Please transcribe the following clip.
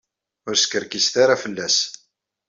Ur skerkiset ara fell-as.